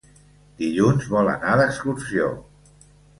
Dilluns vol anar d'excursió.